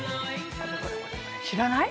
知らない？